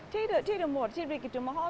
tidak tidak begitu mahal